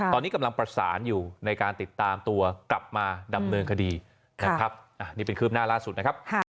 ตอนนี้กำลังประสานอยู่ในการติดตามตัวกลับมาดำเนินคดีนะครับอันนี้เป็นคืบหน้าล่าสุดนะครับ